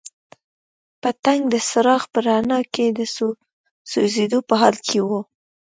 پتنګ د څراغ په رڼا کې د سوځېدو په حال کې وو.